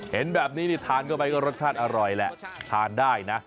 เห็นแบบนี้ทานเข้าไปก็รสชาติอร่อยแหละทานได้นะ